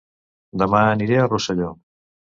Dema aniré a Rosselló